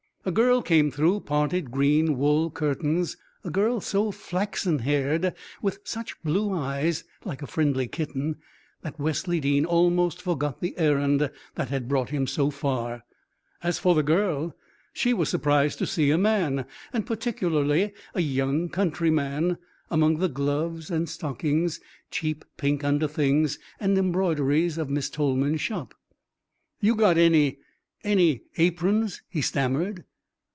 A girl came through parted green wool curtains, a girl so flaxen haired, with such blue eyes like a friendly kitten that Wesley Dean almost forgot the errand that had brought him so far. As for the girl, she was surprised to see a man, and particularly a young country man, among the gloves and stockings, cheap pink underthings, and embroideries of Miss Tolman's shop. "You got any any aprons?" he stammered.